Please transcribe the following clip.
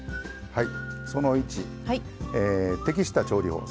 はいその１適した調理法。